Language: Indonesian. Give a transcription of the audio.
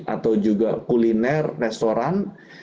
atau juga kuliner restoran